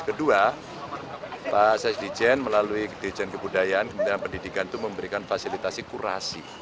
kedua pak s d jen melalui dirjen kebudayaan kementerian pendidikan itu memberikan fasilitasi kurasi